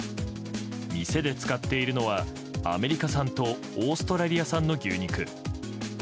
店で使っているのはアメリカ産とオーストラリア産の牛肉。